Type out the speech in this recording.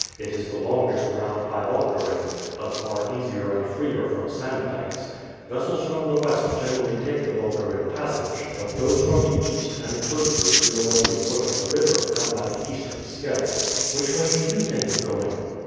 It is the longest round by Walcheren, but far easier and freer from sandbanks. Vessels from the west generally take the Walcheren passage; but those from the east, and coasters who know every foot of the river, come by the eastern Scheldt." "Which way do you think of going?"